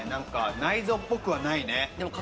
内臓っぽくはないね。